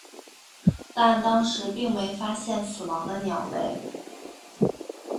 但当时并没发现死亡的鸟类。